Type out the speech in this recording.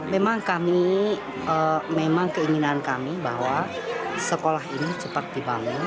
memang kami memang keinginan kami bahwa sekolah ini cepat dibangun